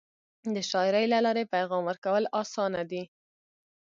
د شاعری له لارې پیغام ورکول اسانه دی.